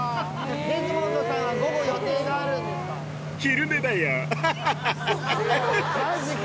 デズモンドさんは午後、予定があるんですか？